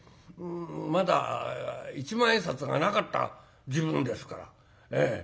まだ一万円札がなかった時分ですから。